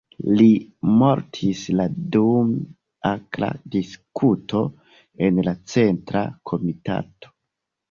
Li mortis la dum akra diskuto en la Centra Komitato.